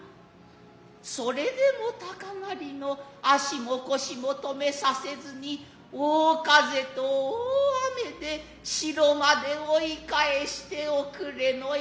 それでも鷹狩の足も腰も留めさせずに大風と大雨で城まで追返しておくれの約束。